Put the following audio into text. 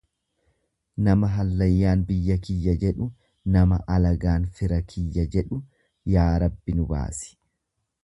Nama hallayyaan biyya kiyya jedhu, nama alagaan fira kiyya jedhu yaa Rabbi nu baasi.